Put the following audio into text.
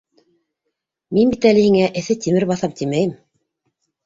Мин бит әле һиңә эҫе тимер баҫам тимәйем.